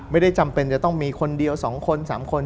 ไม่ได้จำเป็นจะต้องมีคนเดียวสองคนสามคน